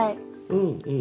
うんうん。